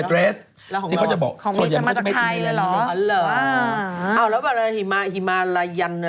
ที่เขาจะบอกสอยมก็จะไม่อีกในร้านนี้นะครับอ๋อแล้วเหมาะรายันอะไรอย่างนี้